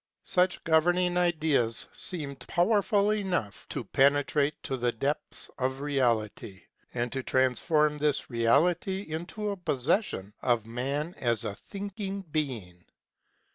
Such governing ideas seemed powerful enough to penetrate to the depth of Reality, and to transform this Reality into a possession of man as a thinking being.